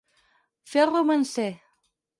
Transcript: Fer el romancer.